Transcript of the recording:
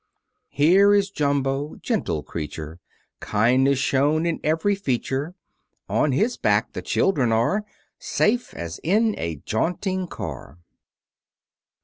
Here is Jumbo, gentle creature, Kindness shown in every feature; On his back the children are, Safe as in a jaunting car.